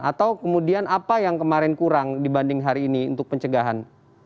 atau kemudian apa yang kemarin kurang dibanding hari ini untuk pencegahan